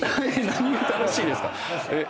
何が楽しいですか。